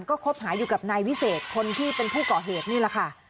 ก็คบหาอยู่กับนายวิเศษคนที่เป็นผู้ก่อเหตุนี่แหละค่ะ